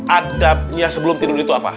adabnya sebelum tidur itu apa